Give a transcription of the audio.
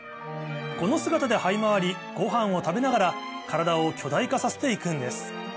この姿ではい回りごはんを食べながら体を巨大化させて行くんです